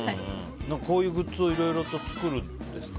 こういうグッズをいろいろと作るんですか？